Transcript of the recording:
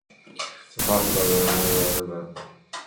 The first high power electronic devices were mercury-arc valves.